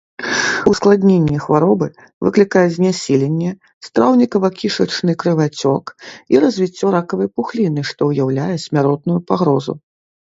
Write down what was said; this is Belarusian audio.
Ускладненне хваробы выклікае знясіленне, страўнікава-кішачны крывацёк і развіццё ракавай пухліны, што ўяўляе смяротную пагрозу.